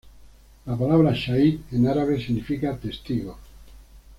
La palabra "shahid" en árabe significa "testigo".